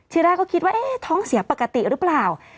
ทีแรกก็คิดว่าเอ๊ะท้องเสียปกติหรือเปล่า